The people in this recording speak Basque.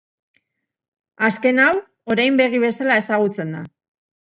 Azken hau, orein begi bezala ezagutzen da.